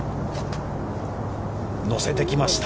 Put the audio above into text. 乗せてきました。